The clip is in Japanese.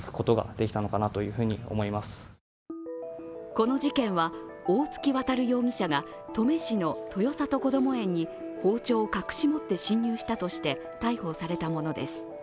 この事件は大槻渉容疑者が登米市の豊里こども園に包丁を隠し持って侵入したとして逮捕されたものです。